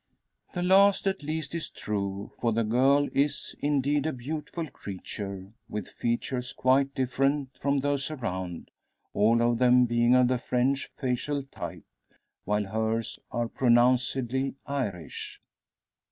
The last, at least, is true, for the girl is, indeed, a beautiful creature, with features quite different from those around all of them being of the French facial type, while hers are pronouncedly Irish.